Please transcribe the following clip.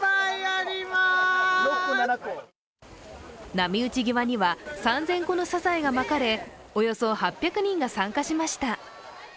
波打ち際には３０００個のサザエがまかれおよそ８００人が参加しました。